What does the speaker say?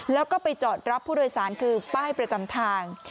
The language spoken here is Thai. แล้วก็ไปจอดรับพนักงานคือป้ายประจำทาง